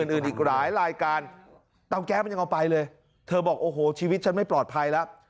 อื่นอีกหลายรายการเตาแก๊สมันยังเอาไปเลยเธอบอกโอ้โหชีวิตฉันไม่ปลอดภัยแล้ว